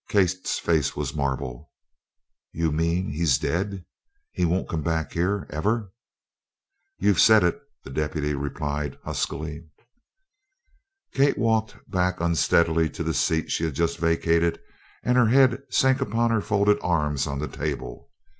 Kate's face was marble. "You mean he's dead he won't come back here ever?" "You've said it," the deputy replied, huskily. Kate walked back unsteadily to the seat she had just vacated and her head sank upon her folded arms on the table.